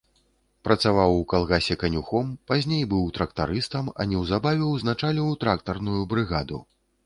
Працаваў у калгасе канюхом, пазней быў трактарыстам, а неўзабаве ўзначаліў трактарную брыгаду.